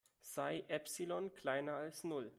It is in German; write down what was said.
Sei Epsilon kleiner als Null.